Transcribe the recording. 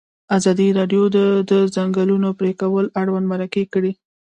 ازادي راډیو د د ځنګلونو پرېکول اړوند مرکې کړي.